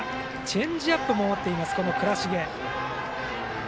チェンジアップも持っている倉重。